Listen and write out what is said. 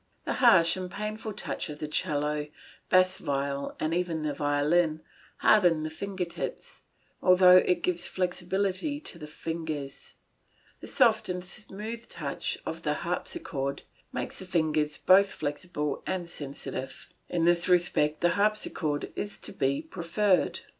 The harsh and painful touch of the 'cello, bass viol, and even of the violin, hardens the finger tips, although it gives flexibility to the fingers. The soft and smooth touch of the harpsichord makes the fingers both flexible and sensitive. In this respect the harpsichord is to be preferred.